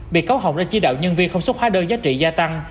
bị cáo hồng đã chỉ đạo nhân viên không xuất hóa đơn giá trị gia tăng